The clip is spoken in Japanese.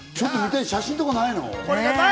写真とかないの？